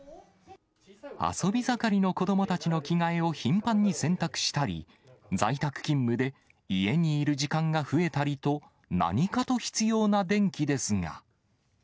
遊び盛りの子どもたちの着替えを頻繁に洗濯したり、在宅勤務で家にいる時間が増えたりと、何かと必要な電気ですが。